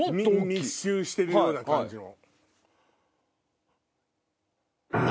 密集してるような感じの。